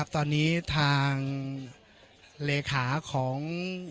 ตอนนี้ทางเลขาของ